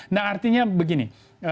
nah artinya begini